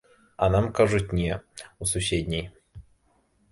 А нам кажуць, не, у суседняй.